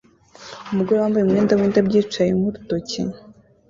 Umugore wambaye umwenda windabyo yicaye nkurutoki